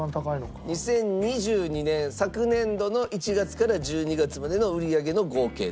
２０２２年昨年度の１月から１２月までの売り上げの合計です。